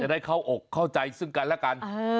ได้เข้าอกเข้าใจซึ่งกันแล้วกัน